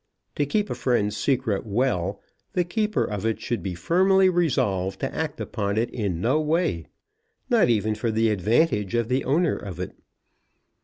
To keep a friend's secret well the keeper of it should be firmly resolved to act upon it in no way, not even for the advantage of the owner of it.